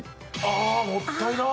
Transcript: あもったいなっ！